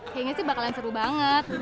kayaknya sih bakalan seru banget